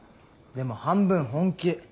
でも半分本気。